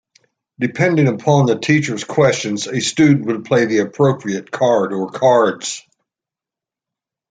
Depending upon the teacher's questions a student would play the appropriate card or cards.